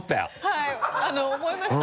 はい思いました。